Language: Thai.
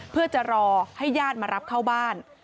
เพื่อจะรอให้ญาติมารับเข้าบ้าน